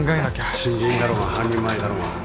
・新人だろうが半人前だろうが